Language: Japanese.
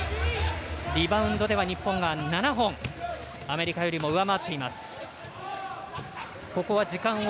リバウンドでは日本が７本アメリカよりも上回っています。